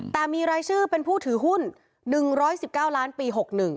แต่มีรายชื่อเป็นผู้ถือหุ้น๑๑๙ล้านปี๖๑